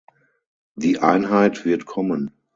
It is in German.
Die Einheit wird kommen.